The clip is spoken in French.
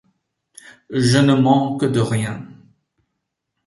Je ne manque de rien.